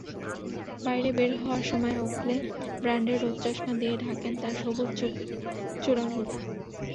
বাইরে বের হওয়ার সময় ওকলে ব্র্যান্ডের রোদচশমা দিয়ে ঢাকেন তাঁর সবুজ চোখজোড়া।